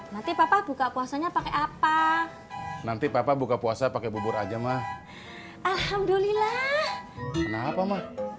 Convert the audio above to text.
nanti papa buka puasanya pakai apa nanti papa buka puasa pakai bubur aja mah alhamdulillah kenapa mah